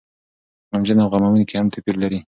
غمجنه او غموونکې هم توپير لري.